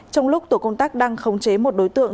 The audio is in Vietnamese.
trong lúc tổ công tác đang khống chế một đối tượng